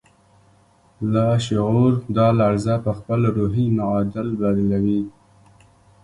لاشعور دا لړزه پهخپل روحي معادل بدلوي